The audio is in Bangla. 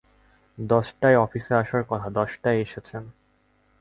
দশটায় অফিসে আসার কথা, দশটায় এসেছেন।